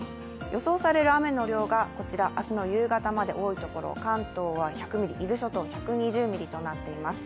予想される雨の量がこちら明日の夕方で、多いところで関東は１００ミリ、伊豆諸島１２０ミリとなっています。